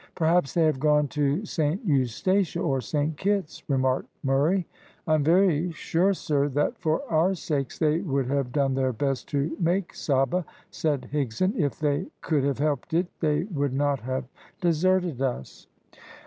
"Perhaps they have gone to Saint Eustatia or Saint Kitts," remarked Murray. "I am very sure, sir, that for our sakes they would have done their best to make Saba," said Higson. "If they could have helped it they would not have deserted us."